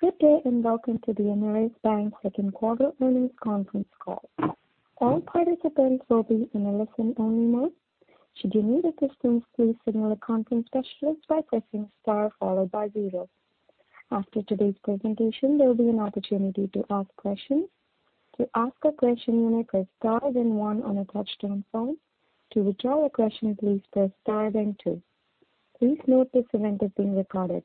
Good day, welcome to the Ameris Bank second quarter earnings conference call. All participants will be in a listen-only mode. Should you need assistance, please signal a conference specialist by pressing star followed by zero. After today's presentation, there will be an opportunity to ask questions. To ask a question, you may press star then one on a touch-tone phone. To withdraw a question, please press star then two. Please note this event is being recorded.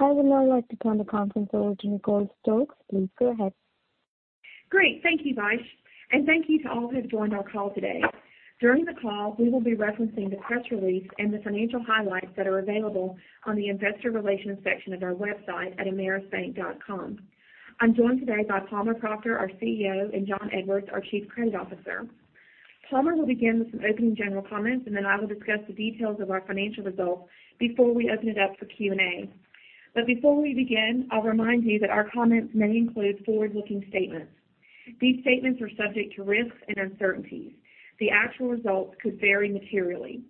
I would now like to turn the conference over to Nicole Stokes. Please go ahead. Great. Thank you, Vaish, thank you to all who have joined our call today. During the call, we will be referencing the press release and the financial highlights that are available on the investor relations section of our website at amerisbank.com. I'm joined today by Palmer Proctor, our CEO, and Jon S. Edwards, our Chief Credit Officer. Palmer will begin with some opening general comments, then I will discuss the details of our financial results before we open it up for Q&A. Before we begin, I'll remind you that our comments may include forward-looking statements. These statements are subject to risks and uncertainties. The actual results could vary materially.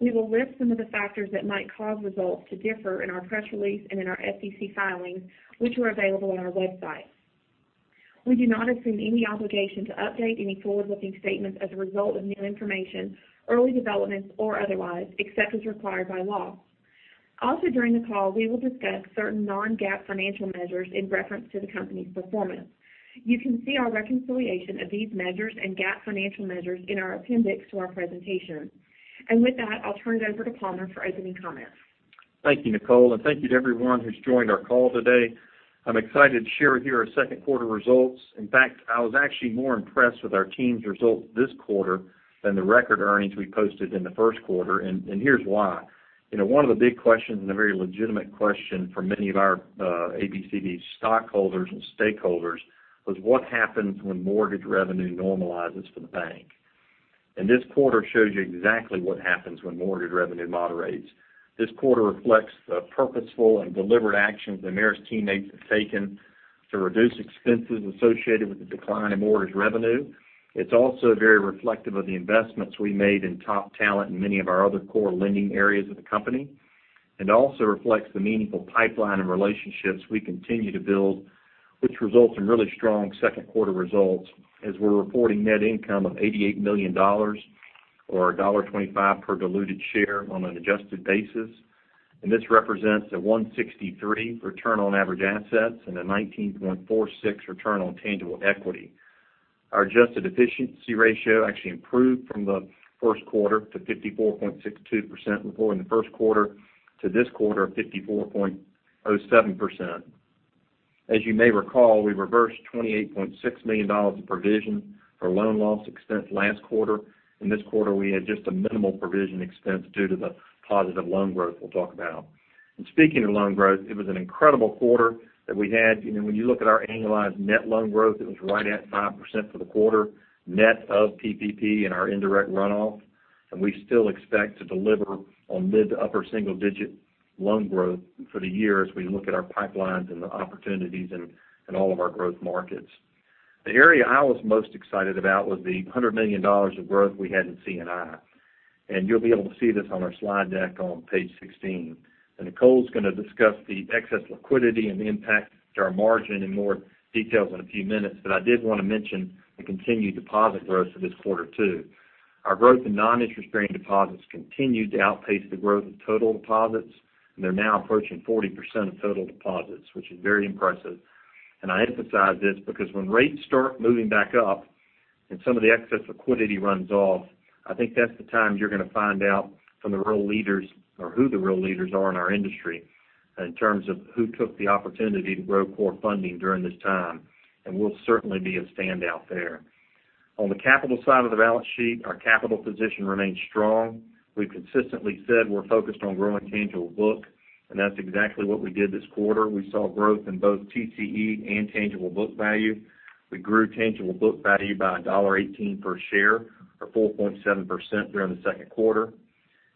We will list some of the factors that might cause results to differ in our press release and in our SEC filings, which are available on our website. We do not assume any obligation to update any forward-looking statements as a result of new information, early developments, or otherwise, except as required by law. Also during the call, we will discuss certain non-GAAP financial measures in reference to the company's performance. You can see our reconciliation of these measures and GAAP financial measures in our appendix to our presentation. With that, I'll turn it over to Palmer for opening comments. Thank you, Nicole, and thank you to everyone who's joined our call today. I'm excited to share with you our second quarter results. In fact, I was actually more impressed with our team's results this quarter than the record earnings we posted in the first quarter. Here's why. One of the big questions, and a very legitimate question for many of our ABCB stockholders and stakeholders, was what happens when mortgage revenue normalizes for the bank? This quarter shows you exactly what happens when mortgage revenue moderates. This quarter reflects the purposeful and deliberate actions Ameris team has taken to reduce expenses associated with the decline in mortgage revenue. It's also very reflective of the investments we made in top talent in many of our other core lending areas of the company, also reflects the meaningful pipeline of relationships we continue to build, which results in really strong second quarter results as we're reporting net income of $88 million, or $1.25 per diluted share on an adjusted basis. This represents a 1.63% return on average assets and a 19.46% return on tangible equity. Our adjusted efficiency ratio actually improved from the first quarter to 54.62%, reporting the first quarter to this quarter of 54.07%. As you may recall, we reversed $28.6 million of provision for loan loss expense last quarter. In this quarter, we had just a minimal provision expense due to the positive loan growth we'll talk about. Speaking of loan growth, it was an incredible quarter that we had. When you look at our annualized net loan growth, it was right at 5% for the quarter, net of PPP and our indirect runoff, and we still expect to deliver on mid to upper single digit loan growth for the year as we look at our pipelines and the opportunities in all of our growth markets. The area I was most excited about was the $100 million of growth we had in C&I, and you'll be able to see this on our slide deck on page 16. Nicole's going to discuss the excess liquidity and the impact to our margin in more details in a few minutes. I did want to mention the continued deposit growth for this quarter, too. Our growth in non-interest-bearing deposits continued to outpace the growth of total deposits, and they're now approaching 40% of total deposits, which is very impressive. I emphasize this because when rates start moving back up and some of the excess liquidity runs off, I think that's the time you're going to find out from the real leaders or who the real leaders are in our industry in terms of who took the opportunity to grow core funding during this time, and we'll certainly be a standout there. On the capital side of the balance sheet, our capital position remains strong. We've consistently said we're focused on growing tangible book, and that's exactly what we did this quarter. We saw growth in both TCE and tangible book value. We grew tangible book value by $1.18 per share, or 4.7% during the second quarter.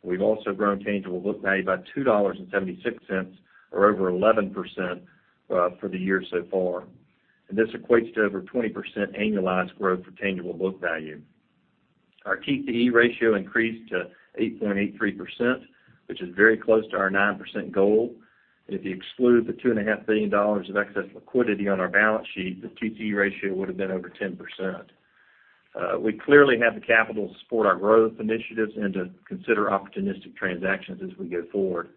We've also grown tangible book value by $2.76, or over 11%, for the year so far. This equates to over 20% annualized growth for tangible book value. Our TCE ratio increased to 8.83%, which is very close to our 9% goal. If you exclude the $2.5 billion of excess liquidity on our balance sheet, the TCE ratio would have been over 10%. We clearly have the capital to support our growth initiatives and to consider opportunistic transactions as we go forward.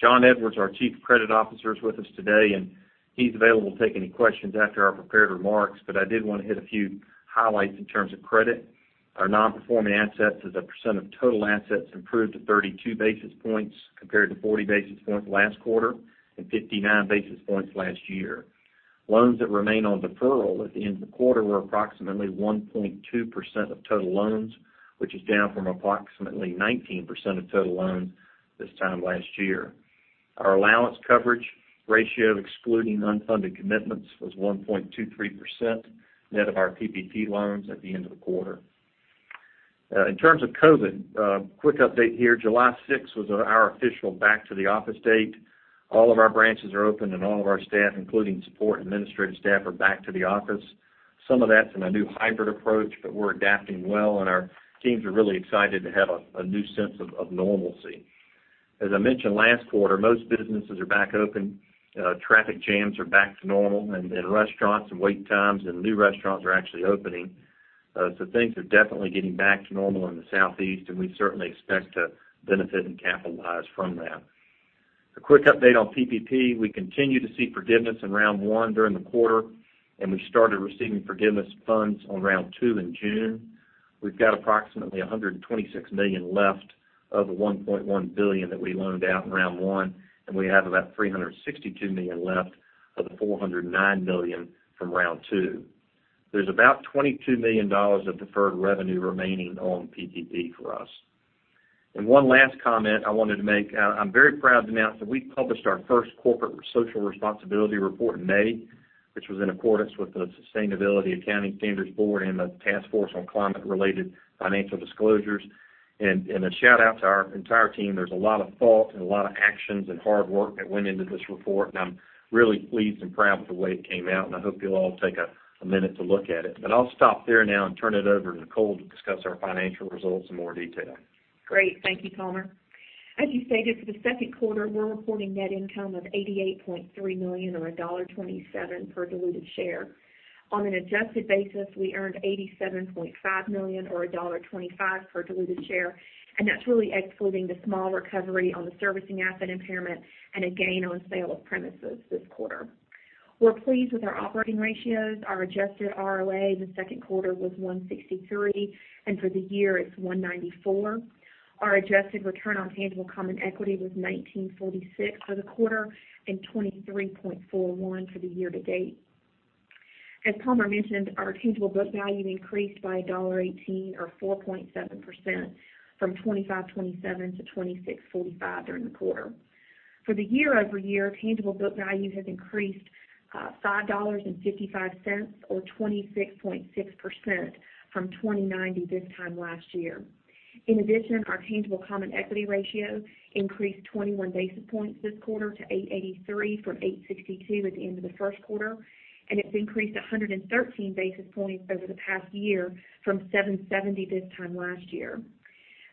Jon Edwards, our Chief Credit Officer, is with us today, and he's available to take any questions after our prepared remarks, but I did want to hit a few highlights in terms of credit. Our non-performing assets as a % of total assets improved to 32 basis points compared to 40 basis points last quarter and 59 basis points last year. Loans that remain on deferral at the end of the quarter were approximately 1.2% of total loans, which is down from approximately 19% of total loans this time last year. Our allowance coverage ratio, excluding unfunded commitments, was 1.23%, net of our PPP loans at the end of the quarter. In terms of COVID, a quick update here. July 6th was our official back to the office date. All of our branches are open and all of our staff, including support and administrative staff, are back to the office. Some of that's in a new hybrid approach, but we're adapting well, and our teams are really excited to have a new sense of normalcy. As I mentioned last quarter, most businesses are back open, traffic jams are back to normal, and restaurants and wait times and new restaurants are actually opening. Things are definitely getting back to normal in the Southeast, and we certainly expect to benefit and capitalize from that. A quick update on PPP. We continued to see forgiveness in Round One during the quarter. We started receiving forgiveness funds on Round Two in June. We've got approximately $126 million left of the $1.1 billion that we loaned out in Round One. We have about $362 million left of the $409 million from Round Two. There's about $22 million of deferred revenue remaining on PPP for us. One last comment I wanted to make. I'm very proud to announce that we published our first corporate social responsibility report in May, which was in accordance with the Sustainability Accounting Standards Board and the Task Force on Climate-related Financial Disclosures. A shout-out to our entire team. There's a lot of thought and a lot of actions and hard work that went into this report, and I'm really pleased and proud with the way it came out, and I hope you'll all take a minute to look at it. I'll stop there now and turn it over to Nicole to discuss our financial results in more detail. Great. Thank you, Palmer. As you stated, for the second quarter, we're reporting net income of $88.3 million or $1.27 per diluted share. On an adjusted basis, we earned $87.5 million or $1.25 per diluted share, that's really excluding the small recovery on the servicing asset impairment and a gain on sale of premises this quarter. We're pleased with our operating ratios. Our adjusted ROA in the second quarter was 1.63%, for the year, it's 1.94%. Our adjusted return on tangible common equity was 19.6% for the quarter and 23.41% for the year-to-date. As Palmer mentioned, our tangible book value increased by $1.18 or 4.7% from $25.27 to $26.45 during the quarter. For the year-over-year, tangible book value has increased $5.55 or 26.6% from $20.90 this time last year. In addition, our tangible common equity ratio increased 21 basis points this quarter to 8.83% from 8.62% at the end of the first quarter, and it's increased 113 basis points over the past year from 7.70% this time last year.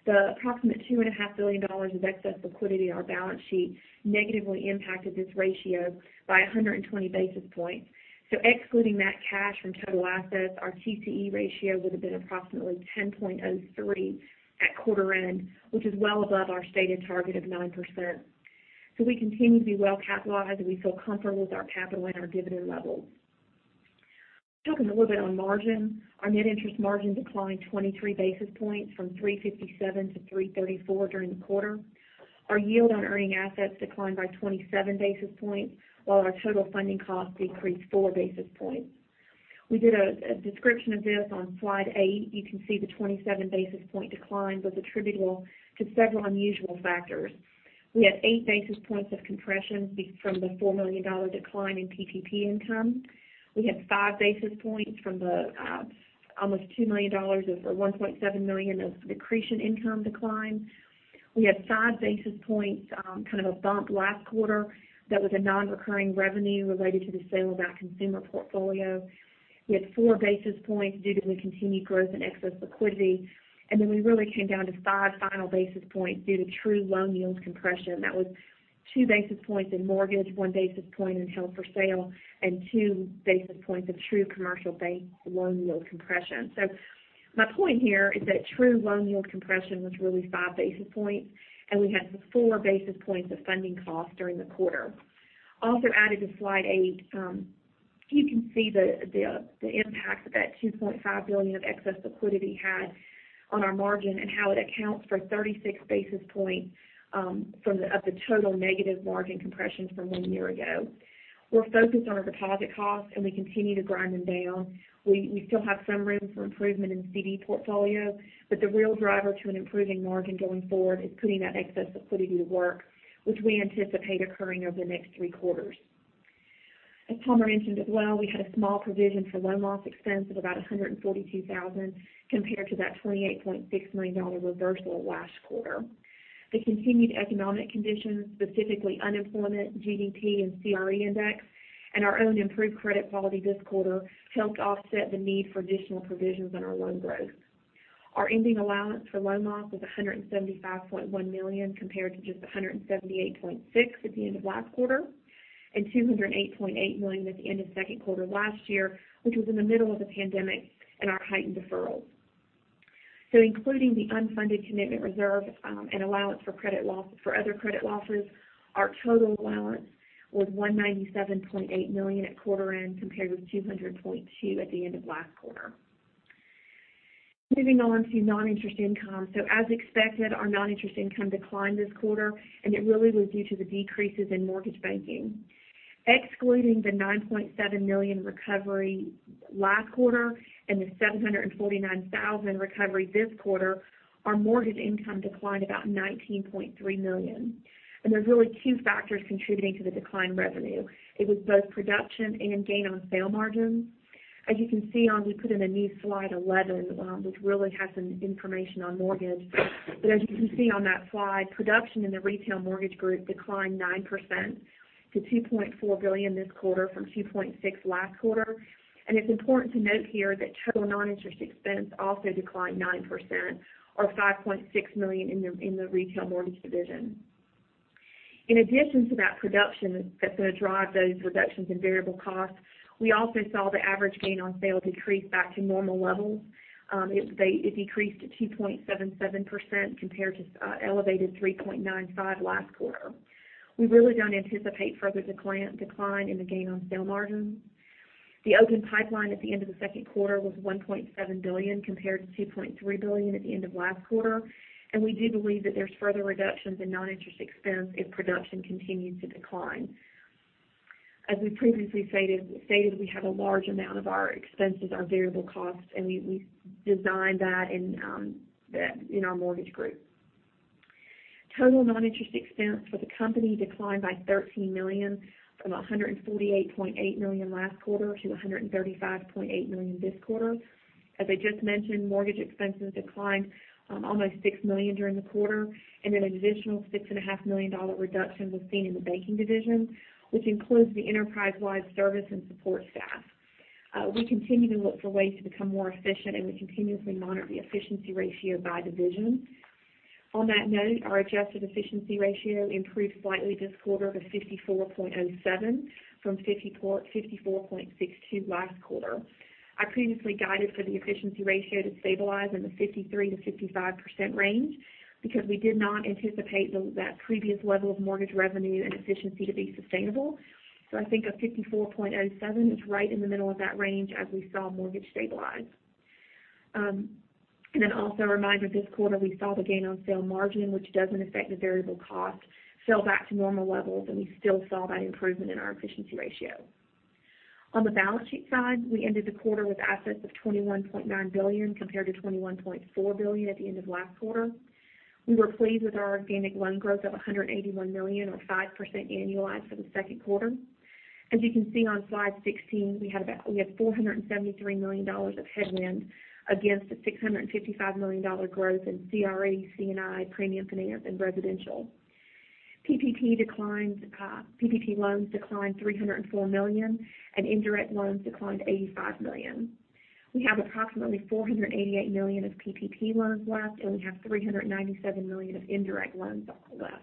The approximate $2.5 billion of excess liquidity on our balance sheet negatively impacted this ratio by 120 basis points. Excluding that cash from total assets, our TCE ratio would have been approximately 10.03% at quarter end, which is well above our stated target of 9%. We continue to be well-capitalized, and we feel comfortable with our capital and our dividend levels. Talking a little bit on margin, our net interest margin declined 23 basis points from 3.57% to 3.34% during the quarter. Our yield on earning assets declined by 27 basis points, while our total funding cost decreased 4 basis points. We did a description of this on slide eight. You can see the 27 basis point decline was attributable to several unusual factors. We had 8 basis points of compression from the $4 million decline in PPP income. We had 5 basis points from the almost $2 million or $1.7 million of accretion income decline. We had 5 basis points kind of a bump last quarter that was a non-recurring revenue related to the sale of our consumer portfolio. We had 4 basis points due to the continued growth in excess liquidity. Then we really came down to 5 final basis points due to true loan yield compression. That was 2 basis points in mortgage, 1 basis point in held for sale, and 2 basis points of true commercial bank loan yield compression. My point here is that true loan yield compression was really 5 basis points, and we had 4 basis points of funding cost during the quarter. Also added to slide eight, you can see the impact that that $2.5 billion of excess liquidity had on our margin and how it accounts for 36 basis points of the total negative margin compression from 1 year ago. We're focused on our deposit costs, and we continue to grind them down. We still have some room for improvement in CD portfolio, but the real driver to an improving margin going forward is putting that excess liquidity to work, which we anticipate occurring over the next three quarters. As Palmer mentioned as well, we had a small provision for loan loss expense of about $142,000 compared to that $28.6 million reversal last quarter. The continued economic conditions, specifically unemployment, GDP, and CRE index, and our own improved credit quality this quarter helped offset the need for additional provisions on our loan growth. Our ending allowance for loan loss was $175.1 million compared to just $178.6 at the end of last quarter and $208.8 million at the end of second quarter last year, which was in the middle of the pandemic and our heightened deferrals. Including the unfunded commitment reserve and allowance for other credit losses, our total allowance was $197.8 million at quarter end compared with $200.2 at the end of last quarter. Moving on to non-interest income. As expected, our non-interest income declined this quarter, and it really was due to the decreases in mortgage banking. Excluding the $9.7 million recovery last quarter and the $749,000 recovery this quarter, our mortgage income declined about $19.3 million. There's really two factors contributing to the declined revenue. It was both production and gain on sale margins. As you can see, we put in a new slide 11, which really has some information on mortgage. As you can see on that slide, production in the retail mortgage group declined 9% to $2.4 billion this quarter from $2.6 last quarter. It's important to note here that total non-interest expense also declined 9% or $5.6 million in the retail mortgage division. In addition to that production that's going to drive those reductions in variable costs, we also saw the average gain on sale decrease back to normal levels. It decreased to 2.77% compared to elevated 3.95% last quarter. We really don't anticipate further decline in the gain on sale margin. The open pipeline at the end of the second quarter was $1.7 billion, compared to $2.3 billion at the end of last quarter, and we do believe that there's further reductions in non-interest expense if production continues to decline. As we previously stated, we have a large amount of our expenses, our variable costs, and we designed that in our mortgage group. Total non-interest expense for the company declined by $13 million from $148.8 million last quarter to $135.8 million this quarter. As I just mentioned, mortgage expenses declined almost $6 million during the quarter, and an additional $6.5 million reduction was seen in the banking division, which includes the enterprise-wide service and support staff. We continue to look for ways to become more efficient, and we continuously monitor the efficiency ratio by division. On that note, our adjusted efficiency ratio improved slightly this quarter to 54.07 from 54.62 last quarter. I previously guided for the efficiency ratio to stabilize in the 53%-55% range because we did not anticipate that previous level of mortgage revenue and efficiency to be sustainable. I think a 54.07 is right in the middle of that range as we saw mortgage stabilize. Also a reminder, this quarter, we saw the gain on sale margin, which doesn't affect the variable cost, fell back to normal levels, and we still saw that improvement in our efficiency ratio. On the balance sheet side, we ended the quarter with assets of $21.9 billion, compared to $21.4 billion at the end of last quarter. We were pleased with our organic loan growth of $181 million or 5% annualized for the 2nd quarter. As you can see on slide 16, we had $473 million of headwind against a $655 million growth in CRE, C&I, premium finance, and residential. PPP loans declined $304 million, and indirect loans declined $85 million. We have approximately $488 million of PPP loans left, and we have $397 million of indirect loans left.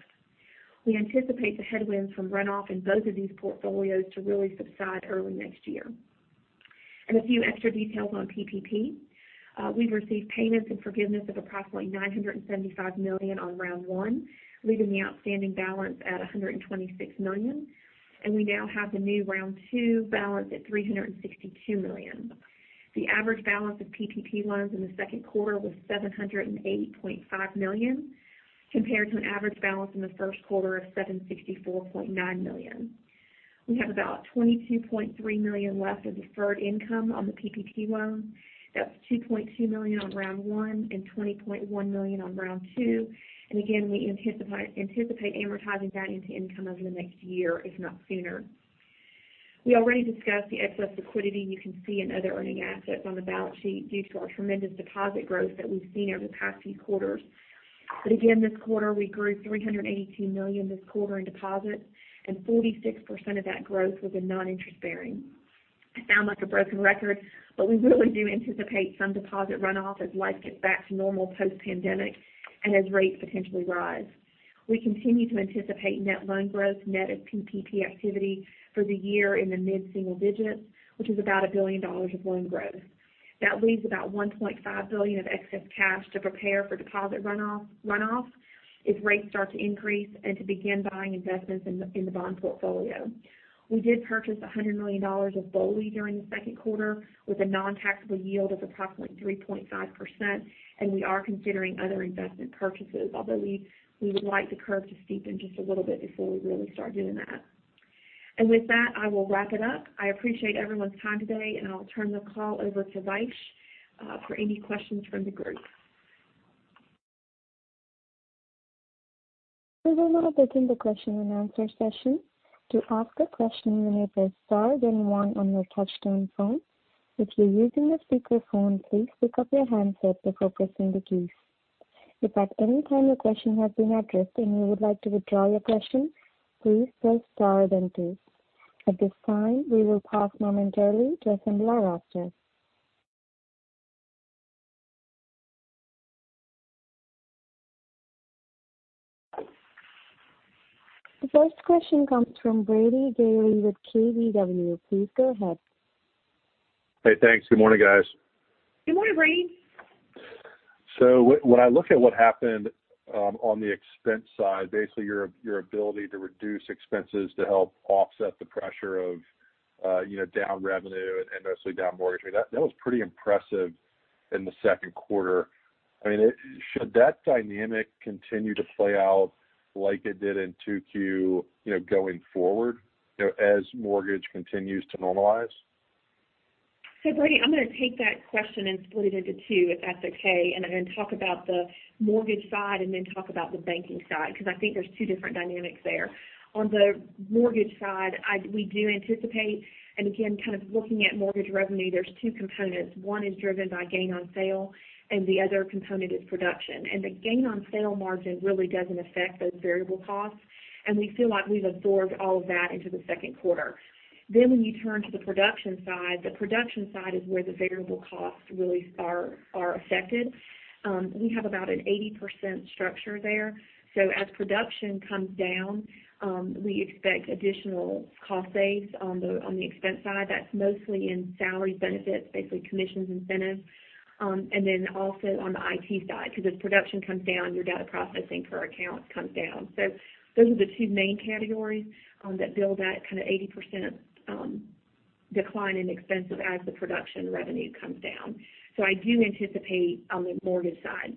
We anticipate the headwinds from runoff in both of these portfolios to really subside early next year. A few extra details on PPP. We've received payments and forgiveness of approximately $975 million on round one, leaving the outstanding balance at $126 million, and we now have the new round two balance at $362 million. The average balance of PPP loans in the second quarter was $708.5 million, compared to an average balance in the first quarter of $764.9 million. We have about $22.3 million left of deferred income on the PPP loans. That's $2.2 million on Round One and $20.1 million on Round Two. Again, we anticipate amortizing that into income over the next year, if not sooner. We already discussed the excess liquidity you can see in other earning assets on the balance sheet due to our tremendous deposit growth that we've seen over the past few quarters. Again, this quarter, we grew $318 million this quarter in deposits, and 46% of that growth was in non-interest-bearing. I sound like a broken record, but we really do anticipate some deposit runoff as life gets back to normal post-pandemic and as rates potentially rise. We continue to anticipate net loan growth net of PPP activity for the year in the mid-single digits, which is about $1 billion of loan growth. That leaves about $1.5 billion of excess cash to prepare for deposit runoff if rates start to increase and to begin buying investments in the bond portfolio. We did purchase $100 million of BOLI during the second quarter with a non-taxable yield of approximately 3.5%. We are considering other investment purchases, although we would like the curve to steepen just a little bit before we really start doing that. With that, I will wrap it up. I appreciate everyone's time today, and I'll turn the call over to Vaish for any questions from the group. We will now begin the question and answer session. To ask a question, you may press star then one on your touchtone phone. If you're using a speakerphone, please pick up your handset before pressing the keys. If at any time your question has been addressed and you would like to withdraw your question, please press star then two. At this time, we will pause momentarily to assemble our roster. The first question comes from Brady Gailey with KBW. Please go ahead. Good morning, Brady. When I look at what happened on the expense side, basically your ability to reduce expenses to help offset the pressure of down revenue and mostly down mortgage, that was pretty impressive in the second quarter. Should that dynamic continue to play out like it did in 2Q going forward as mortgage continues to normalize? Brady, I'm going to take that question and split it into two, if that's okay, and I'm going to talk about the mortgage side and then talk about the banking side, because I think there's two different dynamics there. On the mortgage side, we do anticipate, and again, kind of looking at mortgage revenue, there's two components. One is driven by gain on sale, and the other component is production. The gain on sale margin really doesn't affect those variable costs, and we feel like we've absorbed all of that into the second quarter. When you turn to the production side, the production side is where the variable costs really are affected. We have about an 80% structure there. As production comes down, we expect additional cost saves on the expense side. That's mostly in salary benefits, basically commissions, incentives. Also on the IT side, because as production comes down, your data processing per account comes down. Those are the two main categories that build that kind of 80% decline in expenses as the production revenue comes down. I do anticipate on the mortgage side.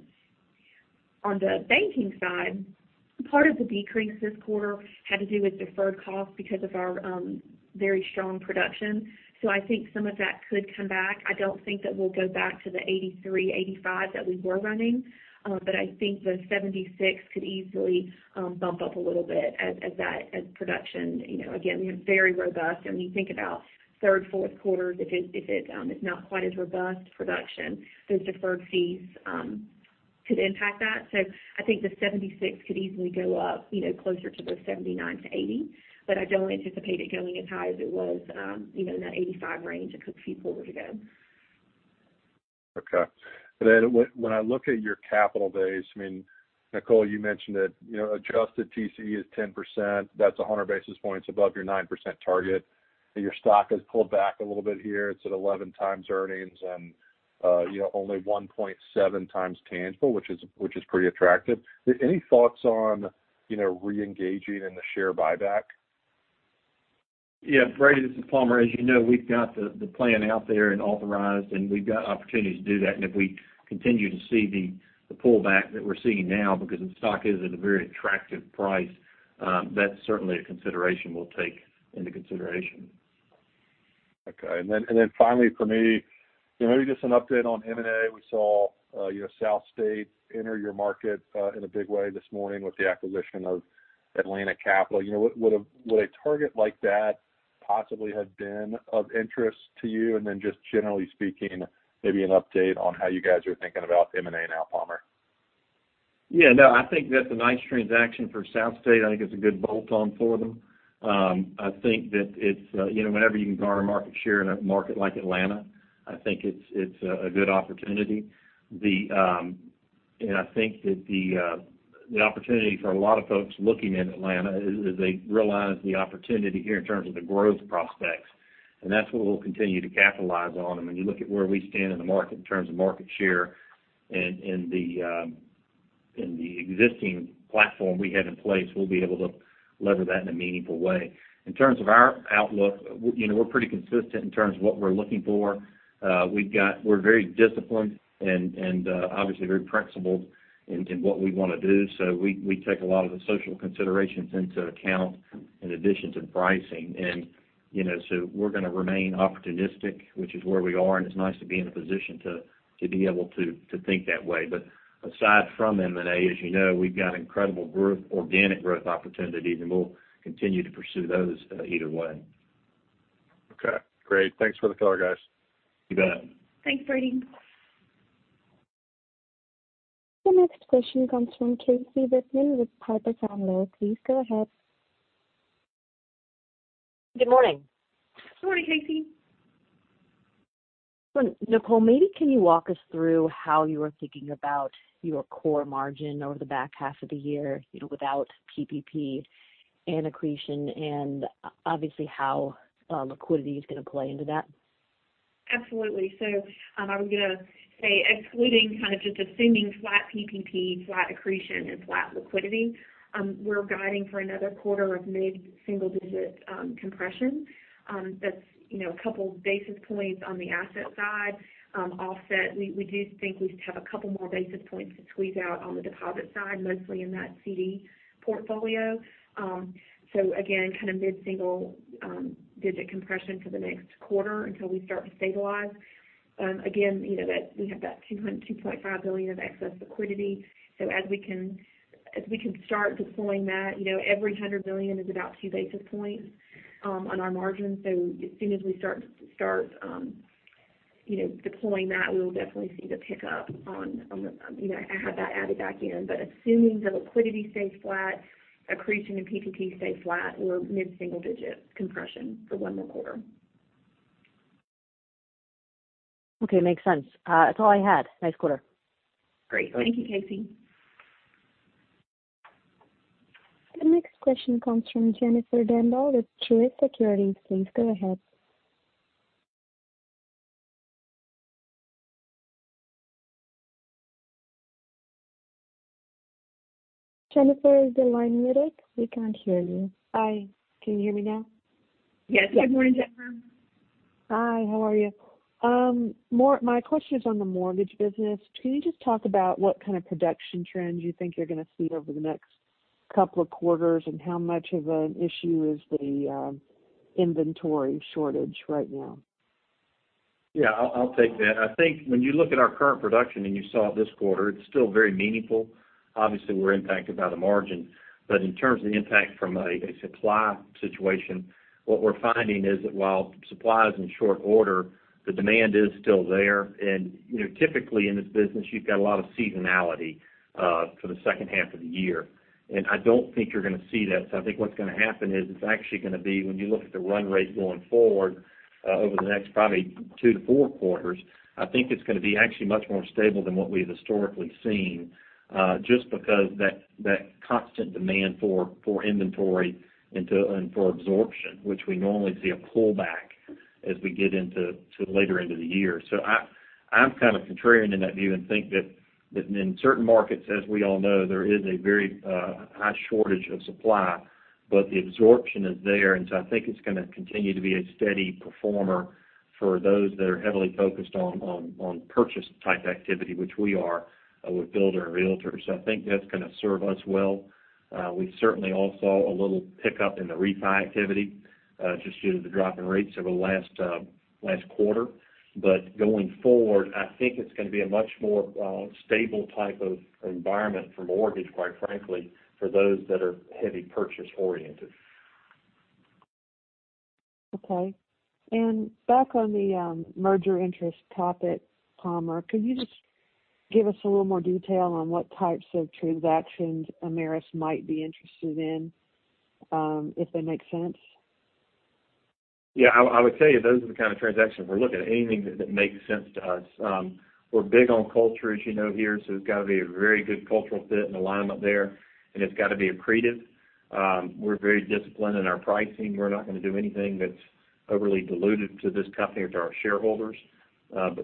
On the banking side, part of the decrease this quarter had to do with deferred costs because of our very strong production. I think some of that could come back. I don't think that we'll go back to the 83%, 85% that we were running. I think the 76% could easily bump up a little bit as production, again, we have very robust. When you think about third, fourth quarters, if it's not quite as robust production, those deferred fees could impact that. I think the 76 could easily go up closer to the 79-80, but I don't anticipate it going as high as it was in that 85 range a couple quarters ago. Okay. When I look at your capital base, Nicole, you mentioned that adjusted TCE is 10%, that's 100 basis points above your 9% target, and your stock has pulled back a little bit here. It's at 11x earnings and only 1.7x tangible, which is pretty attractive. Any thoughts on re-engaging in the share buyback? Yeah, Brady, this is Palmer. As you know, we've got the plan out there and authorized, and we've got opportunities to do that. If we continue to see the pullback that we're seeing now because the stock is at a very attractive price, that's certainly a consideration we'll take into consideration. Okay. Finally from me, maybe just an update on M&A. We saw SouthState enter your market in a big way this morning with the acquisition of Atlantic Capital. Would a target like that possibly have been of interest to you? Just generally speaking, maybe an update on how you guys are thinking about M&A now, Palmer. Yeah, no, I think that's a nice transaction for SouthState. I think it's a good bolt-on for them. I think that whenever you can garner market share in a market like Atlanta, I think it's a good opportunity. I think that the opportunity for a lot of folks looking in Atlanta is they realize the opportunity here in terms of the growth prospects, and that's what we'll continue to capitalize on. When you look at where we stand in the market in terms of market share and the existing platform we have in place, we'll be able to lever that in a meaningful way. In terms of our outlook, we're pretty consistent in terms of what we're looking for. We're very disciplined and obviously very principled in what we want to do. We take a lot of the social considerations into account in addition to pricing. We're going to remain opportunistic, which is where we are, and it's nice to be in a position to be able to think that way. Aside from M&A, as you know, we've got incredible organic growth opportunities, and we'll continue to pursue those either way. Okay, great. Thanks for the color, guys. You bet. Thanks, Brady. The next question comes from Casey Whitman with Piper Sandler. Please go ahead. Good morning. Morning, Casey. Nicole, maybe can you walk us through how you are thinking about your core margin over the back half of the year without PPP and accretion, and obviously how liquidity is going to play into that? Absolutely. I was going to say excluding just assuming flat PPP, flat accretion, and flat liquidity, we're guiding for another quarter of mid-single-digit compression. That's a couple basis points on the asset side offset. We do think we have a couple more basis points to squeeze out on the deposit side, mostly in that CD portfolio. Again, mid-single-digit compression for the next quarter until we start to stabilize. Again, we have that $2.5 billion of excess liquidity. As we can start deploying that, every $100 billion is about two basis points on our margin. As soon as we start deploying that, we will definitely see the pickup on the-- have that added back in. Assuming the liquidity stays flat, accretion and PPP stay flat, we're mid-single-digit compression for one more quarter. Okay, makes sense. That's all I had. Nice quarter. Great. Thank you, Casey. The next question comes from Jennifer Demba with Truist Securities. Please go ahead. Jennifer, is your line muted? We can't hear you. Hi, can you hear me now? Yes. Good morning, Jennifer. Hi, how are you? My question is on the mortgage business. Can you just talk about what kind of production trends you think you're going to see over the next couple of quarters, and how much of an issue is the inventory shortage right now? Yeah, I'll take that. I think when you look at our current production, and you saw it this quarter, it's still very meaningful. Obviously, we're impacted by the margin, but in terms of the impact from a supply situation, what we're finding is that while supply is in short order, the demand is still there. Typically in this business, you've got a lot of seasonality for the second half of the year, and I don't think you're going to see that. I think what's going to happen is it's actually going to be when you look at the run rate going forward over the next probably 2 to 4 quarters, I think it's going to be actually much more stable than what we've historically seen just because that constant demand for inventory and for absorption, which we normally see a pullback as we get into later into the year. I'm kind of contrarian in that view and think that. In certain markets, as we all know, there is a very high shortage of supply, but the absorption is there. I think it's going to continue to be a steady performer for those that are heavily focused on purchase type activity, which we are with builder and realtor. I think that's going to serve us well. We certainly all saw a little pickup in the refi activity just due to the drop in rates over the last quarter. Going forward, I think it's going to be a much more stable type of environment for mortgage, quite frankly, for those that are heavy purchase oriented. Okay. Back on the merger interest topic, Palmer, could you just give us a little more detail on what types of transactions Ameris might be interested in, if they make sense? Yeah. I would tell you those are the kind of transactions we're looking at, anything that makes sense to us. We're big on culture, as you know here, so it's got to be a very good cultural fit and alignment there, and it's got to be accretive. We're very disciplined in our pricing. We're not going to do anything that's overly dilutive to this company or to our shareholders.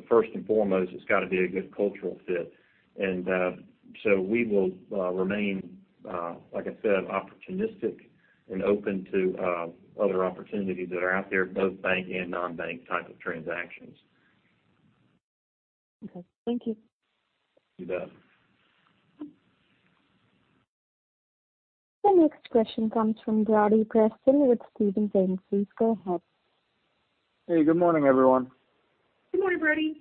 First and foremost, it's got to be a good cultural fit. We will remain, like I said, opportunistic and open to other opportunities that are out there, both bank and non-bank types of transactions. Okay. Thank you. You bet. The next question comes from Brody Preston with Stephens Inc. Go ahead. Hey, good morning, everyone. Good morning, Brody.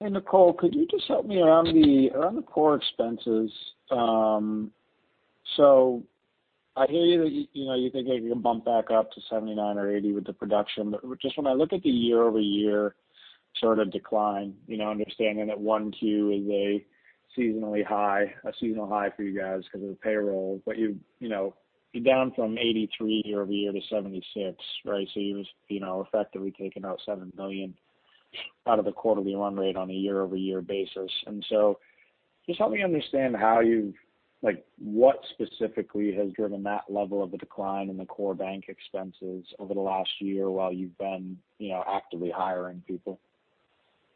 Hey, Nicole, could you just help me around the core expenses? I hear you that you think it can bump back up to $79 or $80 with the production. When I look at the year-over-year sort of decline, understanding that 1Q is a seasonal high for you guys because of the payroll, you're down from $83 year-over-year to $76, right? You've effectively taken out $7 million out of the quarterly run rate on a year-over-year basis. Just help me understand what specifically has driven that level of the decline in the core bank expenses over the last year while you've been actively hiring people.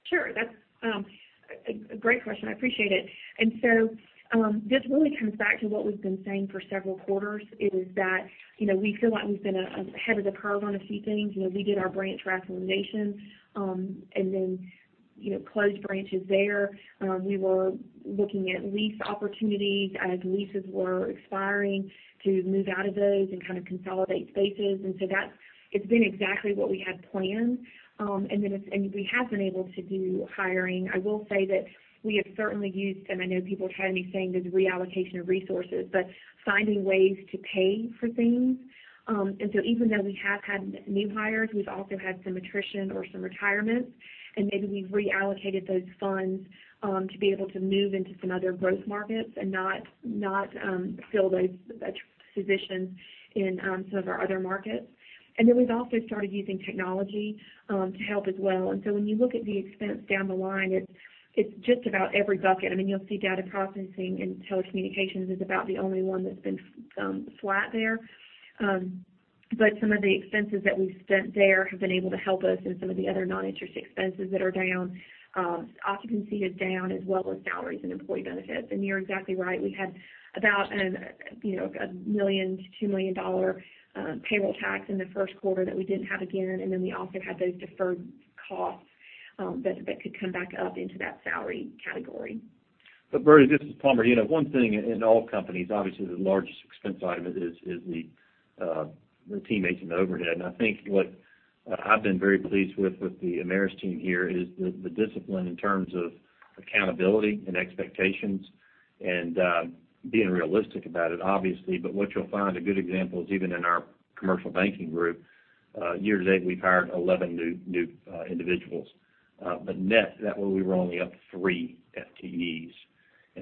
Sure. That's a great question. I appreciate it. This really comes back to what we've been saying for several quarters, is that we feel like we've been ahead of the curve on a few things. We did our branch rationalization and then closed branches there. We were looking at lease opportunities as leases were expiring to move out of those and kind of consolidate spaces. It's been exactly what we had planned. We have been able to do hiring. I will say that we have certainly used, and I know people are tired of me saying this, reallocation of resources, but finding ways to pay for things. Even though we have had new hires, we've also had some attrition or some retirements, and maybe we've reallocated those funds to be able to move into some other growth markets and not fill those positions in some of our other markets. Then we've also started using technology to help as well. When you look at the expense down the line, it's just about every bucket. You'll see data processing and telecommunications is about the only one that's been flat there. Some of the expenses that we've spent there have been able to help us in some of the other non-interest expenses that are down. Occupancy is down as well as salaries and employee benefits. You're exactly right. We had about a $1 million to $2 million payroll tax in the first quarter that we didn't have again, and then we also had those deferred costs that could come back up into that salary category. Brody, this is Palmer. One thing in all companies, obviously, the largest expense item is the teammates and the overhead. I think what I've been very pleased with the Ameris team here is the discipline in terms of accountability and expectations and being realistic about it, obviously. What you'll find a good example is even in our commercial banking group, year to date, we've hired 11 new individuals. Net, that way, we were only up three FTEs.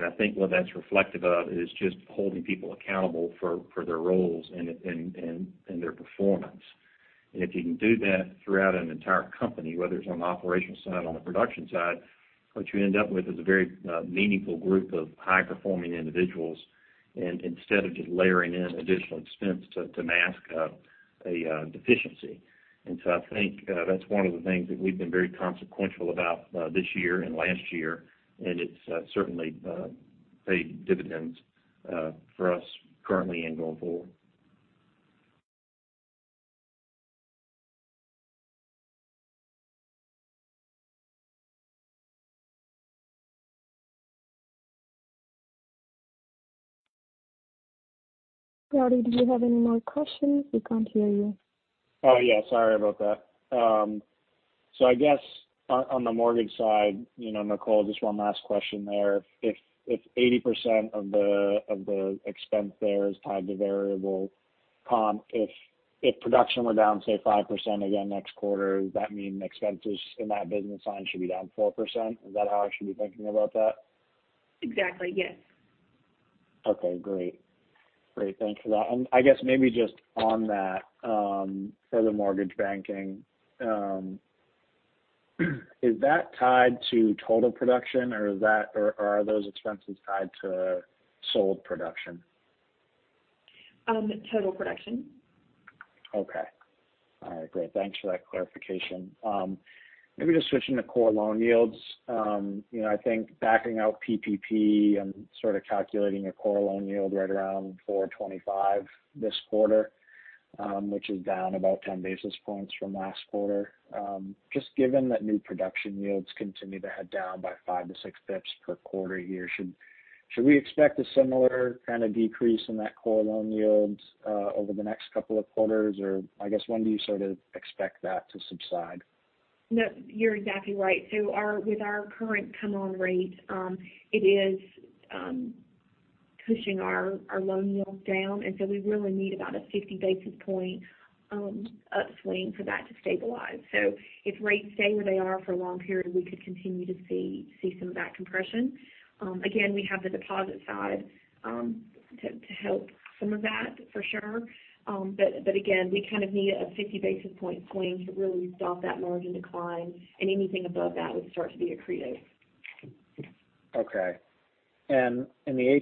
I think what that's reflective of is just holding people accountable for their roles and their performance. If you can do that throughout an entire company, whether it's on the operational side, on the production side, what you end up with is a very meaningful group of high-performing individuals, and instead of just layering in additional expense to mask a deficiency. I think that's one of the things that we've been very consequential about this year and last year, and it's certainly paid dividends for us currently and going forward. Brody, do you have any more questions? We can't hear you. Oh, yeah. Sorry about that. I guess on the mortgage side, Nicole, just one last question there. If 80% of the expense there is tied to variable comp, if production were down, say, 5% again next quarter, does that mean expenses in that business line should be down 4%? Is that how I should be thinking about that? Exactly. Yes. Okay, great. Thanks for that. I guess maybe just on that, for the mortgage banking, is that tied to total production or are those expenses tied to sold production? Total production. Okay. All right, great. Thanks for that clarification. Just switching to core loan yields. I think backing out PPP and calculating a core loan yield right around 4.25% this quarter, which is down about 10 basis points from last quarter. Given that new production yields continue to head down by 5 to 6 basis points per quarter here, should we expect a similar kind of decrease in that core loan yields over the next couple of quarters? I guess, when do you sort of expect that to subside? No, you're exactly right. With our current coupon rates, it is pushing our loan yields down, we really need about a 50-basis point upswing for that to stabilize. If rates stay where they are for a long period, we could continue to see some of that compression. Again, we have the deposit side to help some of that, for sure. Again, we kind of need a 50-basis point swing to really stop that margin decline, anything above that would start to be accretive. Okay. In the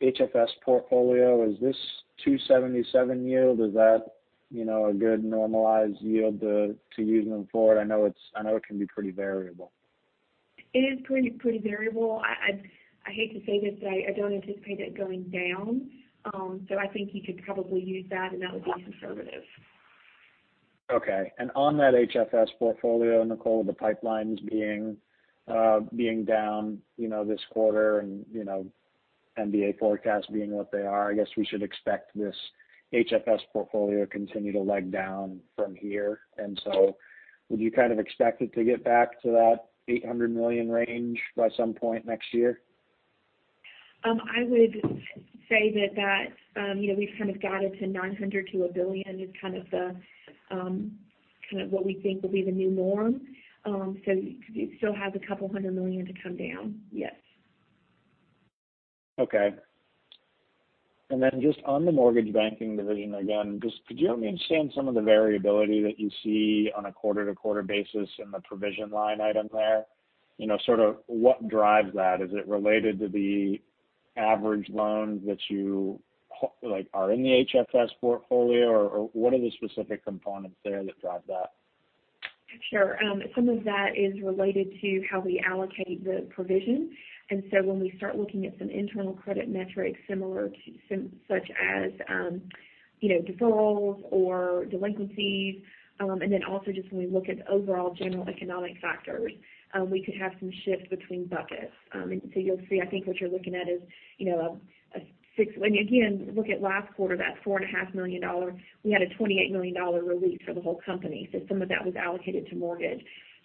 HFS portfolio, is this 277 yield, is that a good normalized yield to use moving forward? I know it can be pretty variable. It is pretty variable. I hate to say this, but I don't anticipate it going down. I think you could probably use that, and that would be conservative. Okay. On that HFS portfolio, Nicole, with the pipelines being down this quarter and MBA forecasts being what they are, I guess we should expect this HFS portfolio to continue to leg down from here. Would you kind of expect it to get back to that $800 million range by some point next year? I would say that we've kind of guided to $900 million-$1 billion, is kind of what we think will be the new norm. It still has $200 million to come down. Yes. Okay. Just on the mortgage banking division, again, just could you help me understand some of the variability that you see on a quarter-to-quarter basis in the provision line item there? Sort of what drives that? Is it related to the average loans that are in the HFS portfolio, or what are the specific components there that drive that? Sure. Some of that is related to how we allocate the provision. When we start looking at some internal credit metrics similar to such as defaults or delinquencies, when we look at overall general economic factors, we could have some shifts between buckets. You'll see, I think what you're looking at is when, again, we look at last quarter, that $4.5 million, we had a $28 million relief for the whole company. Some of that was allocated to mortgage.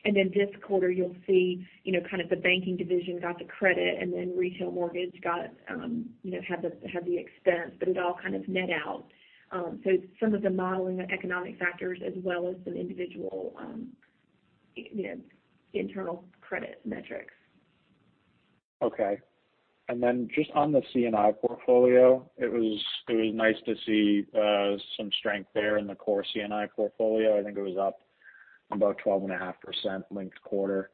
This quarter, you'll see kind of the banking division got the credit, retail mortgage had the expense, but it all kind of net out. Some of the modeling, the economic factors, as well as some individual internal credit metrics. Okay. Just on the C&I portfolio, it was nice to see some strength there in the core C&I portfolio. I think it was up about 12.5% linked quarter.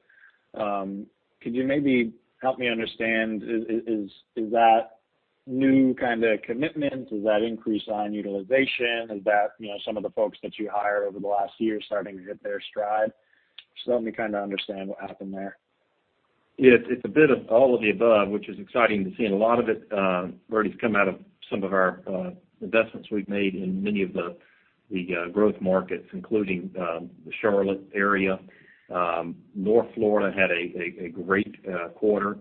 Could you maybe help me understand, is that new kind of commitment? Does that increase on utilization? Is that some of the folks that you hired over the last year starting to hit their stride? Just help me kind of understand what happened there. Yeah. It's a bit of all of the above, which is exciting to see. A lot of it, Brody, has come out of some of our investments we've made in many of the growth markets, including the Charlotte area. North Florida had a great quarter,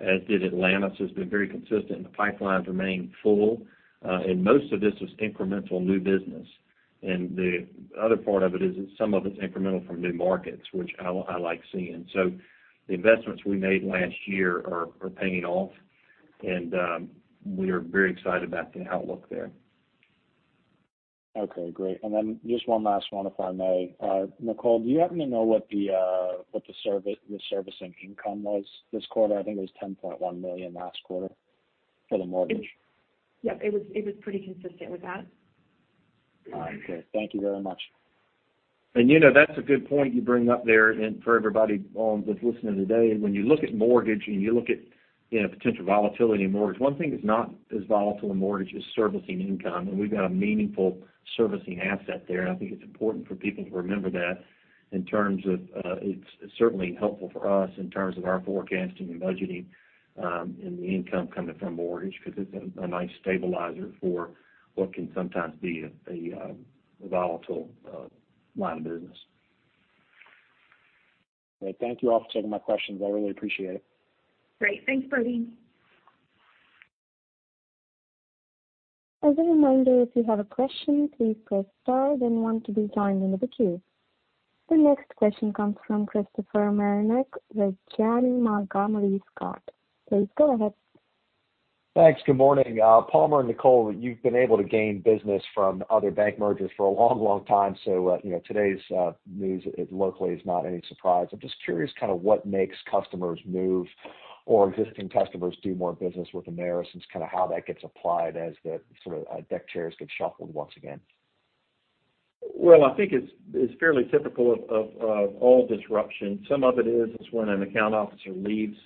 as did Atlanta, so it's been very consistent. The pipelines remain full. Most of this was incremental new business. The other part of it is that some of it's incremental from new markets, which I like seeing. The investments we made last year are paying off, and we are very excited about the outlook there. Okay, great. Just one last one, if I may. Nicole, do you happen to know what the servicing income was this quarter? I think it was $10.1 million last quarter for the mortgage. Yep. It was pretty consistent with that. All right. Okay. Thank you very much. That's a good point you bring up there, and for everybody that's listening today. When you look at mortgage and you look at potential volatility in mortgage, one thing that's not as volatile in mortgage is servicing income, and we've got a meaningful servicing asset there, and I think it's important for people to remember that. It's certainly helpful for us in terms of our forecasting and budgeting and the income coming from mortgage because it's a nice stabilizer for what can sometimes be a volatile line of business. All right. Thank you all for taking my questions. I really appreciate it. Great. Thanks, Brody. The next question comes from Christopher Marinac with Janney Montgomery Scott. Please go ahead. Thanks. Good morning. Palmer and Nicole, you've been able to gain business from other bank mergers for a long time, so today's news locally is not any surprise. I'm just curious kind of what makes customers move or existing customers do more business with Ameris, and kind of how that gets applied as the sort of deck chairs get shuffled once again. Well, I think it's fairly typical of all disruption. Some of it is, it's when an account officer leaves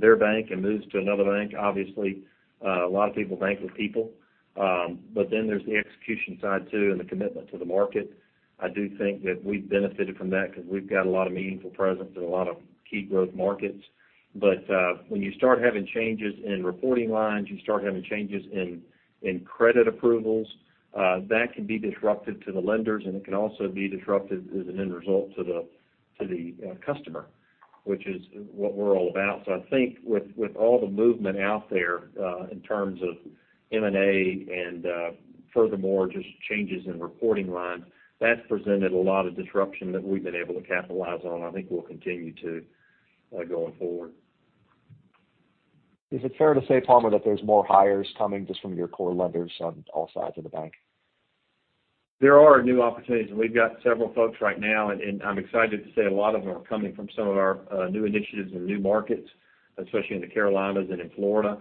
their bank and moves to another bank. Obviously, a lot of people bank with people. There's the execution side too, and the commitment to the market. I do think that we've benefited from that because we've got a lot of meaningful presence in a lot of key growth markets. When you start having changes in reporting lines, you start having changes in credit approvals, that can be disruptive to the lenders, and it can also be disruptive as an end result to the customer, which is what we're all about. I think with all the movement out there, in terms of M&A and furthermore, just changes in reporting lines, that's presented a lot of disruption that we've been able to capitalize on. I think we'll continue to going forward. Is it fair to say, Palmer, that there's more hires coming just from your core lenders on all sides of the bank? There are new opportunities, and we've got several folks right now, and I'm excited to say a lot of them are coming from some of our new initiatives and new markets, especially in the Carolinas and in Florida.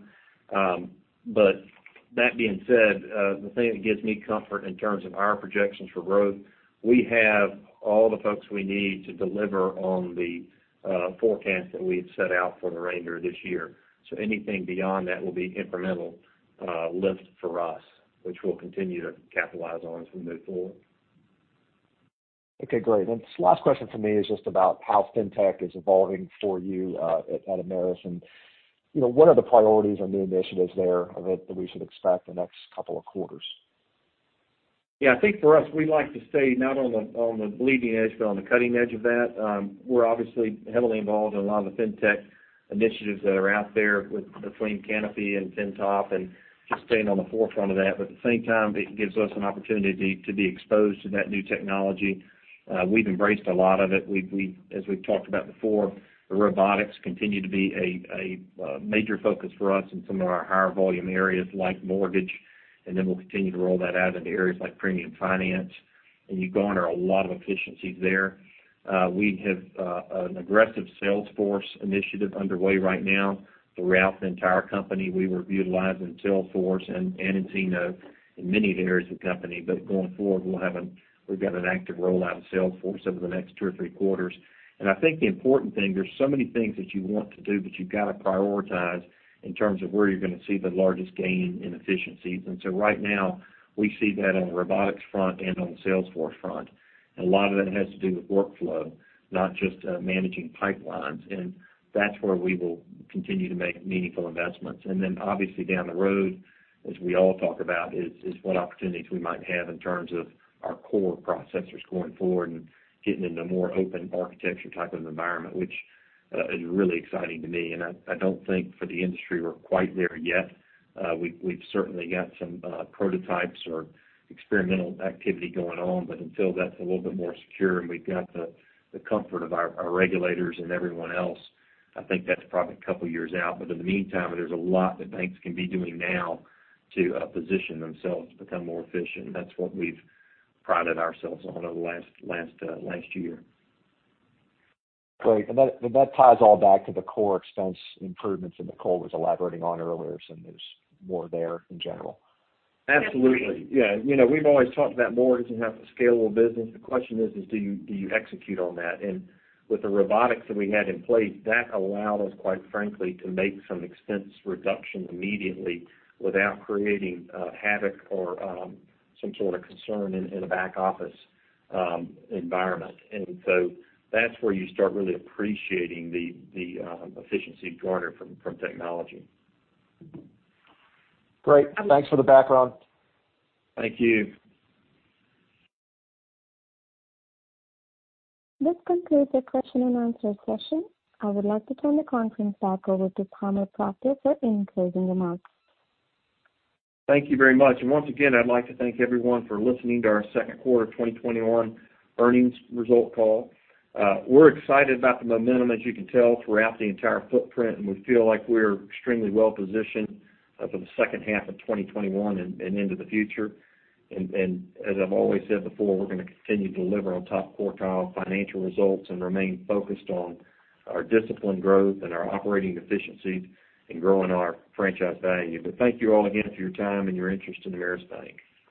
That being said, the thing that gives me comfort in terms of our projections for growth, we have all the folks we need to deliver on the forecast that we've set out for the remainder of this year. Anything beyond that will be incremental lift for us, which we'll continue to capitalize on as we move forward. Okay, great. Last question from me is just about how fintech is evolving for you out at Ameris. What are the priorities or new initiatives there that we should expect the next couple of quarters? Yeah, I think for us, we like to stay not on the bleeding edge, but on the cutting edge of that. We're obviously heavily involved in a lot of the fintech initiatives that are out there between Canopy and FINTOP and just staying on the forefront of that. At the same time, it gives us an opportunity to be exposed to that new technology. We've embraced a lot of it. As we've talked about before, the robotics continue to be a major focus for us in some of our higher volume areas like mortgage, and then we'll continue to roll that out into areas like premium finance, and you garner a lot of efficiencies there. We have an aggressive Salesforce initiative underway right now throughout the entire company. We were utilizing Salesforce and nCino in many of the areas of the company. Going forward, we've got an active rollout of Salesforce over the next 2 or 3 quarters. I think the important thing, there's so many things that you want to do, but you've got to prioritize in terms of where you're going to see the largest gain in efficiencies. Right now, we see that on the robotics front and on the Salesforce front. A lot of that has to do with workflow, not just managing pipelines. That's where we will continue to make meaningful investments. Obviously down the road, as we all talk about, is what opportunities we might have in terms of our core processors going forward and getting into more open architecture type of environment, which is really exciting to me. I don't think for the industry we're quite there yet. We've certainly got some prototypes or experimental activity going on, but until that's a little bit more secure and we've got the comfort of our regulators and everyone else, I think that's probably 2 years out. In the meantime, there's a lot that banks can be doing now to position themselves to become more efficient, and that's what we've prided ourselves on over the last year. Great. That ties all back to the core expense improvements that Nicole was elaborating on earlier, so there's more there in general. Absolutely. Yeah. We've always talked about mortgage and how to scale a business. The question is, do you execute on that? With the robotics that we had in place, that allowed us, quite frankly, to make some expense reduction immediately without creating havoc or some sort of concern in a back-office environment. That's where you start really appreciating the efficiency you garner from technology. Great. Thanks for the background. Thank you. This concludes the question and answer session. I would like to turn the conference back over to Palmer Proctor for any closing remarks. Thank you very much. Once again, I'd like to thank everyone for listening to our second quarter 2021 earnings result call. We're excited about the momentum, as you can tell, throughout the entire footprint, and we feel like we're extremely well positioned for the second half of 2021 and into the future. As I've always said before, we're going to continue to deliver on top quartile financial results and remain focused on our disciplined growth and our operating efficiencies in growing our franchise value. Thank you all again for your time and your interest in Ameris Bank.